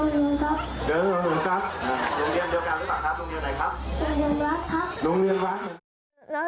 น้องเดียวกันครับโรงเรียนเดียวกันหรือเปล่าครับโรงเรียนไหนครับ